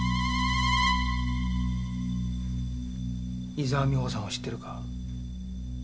伊沢美穂さんを知ってるか？